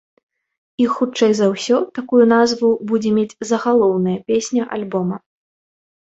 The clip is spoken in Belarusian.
І хутчэй за ўсё такую назву будзе мець загалоўная песня альбома.